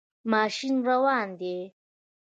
ماشین روان دی